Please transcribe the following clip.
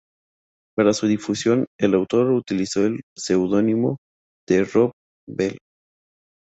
Para su difusión, el autor utilizó el seudónimo de Rob-Vel.